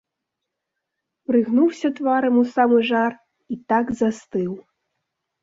Прыгнуўся тварам у самы жар і так застыў.